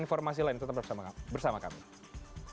informasi lain tetap bersama kami